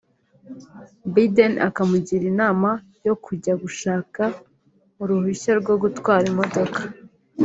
Biden akamugira inama yo kujya gushaka uruhushya rwo gutwara imodoka